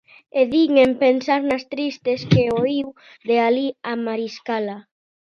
E din en pensar nas tristes que oíu de alí a Mariscala.